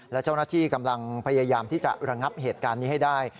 และเจ้าหน้าที่กำลังพยายามที่จะระงับเหตุการณ์นี้ให้ได้